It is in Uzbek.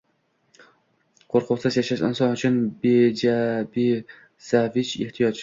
Qo‘rquvsiz yashash inson uchun – bazaviy ehtiyoj.